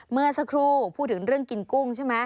เมื่อสักครู่พูดถึงเรื่องกินกุ้งใช่ไหม